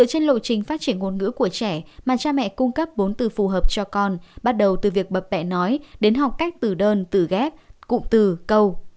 hội trình phát triển ngôn ngữ của trẻ mà cha mẹ cung cấp bốn từ phù hợp cho con bắt đầu từ việc bập bẹ nói đến học cách từ đơn từ ghép cụm từ câu